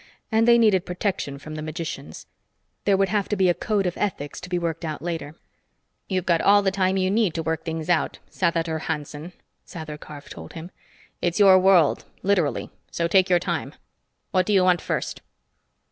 And they needed protection from the magicians. There would have to be a code of ethics to be worked out later. "You've got all the time you need to work things out, Sathator Hanson," Sather Karf told him. "It's your world, literally, so take your time. What do you want first?"